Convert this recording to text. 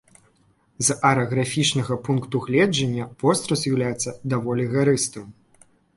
З араграфічнага пункту гледжання, востраў з'яўляецца даволі гарыстым.